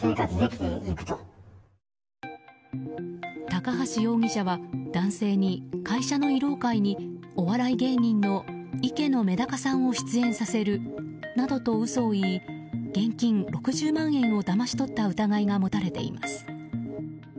高橋容疑者は男性に会社の慰労会にお笑い芸人の池乃めだかさんを出演させるなどと嘘を言い現金６０万円をだまし取った疑いが持たれています。